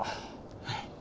はい。